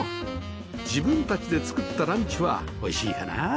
自分たちで作ったランチはおいしいかな？